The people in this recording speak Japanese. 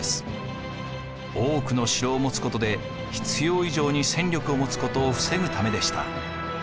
多くの城を持つことで必要以上に戦力を持つことを防ぐためでした。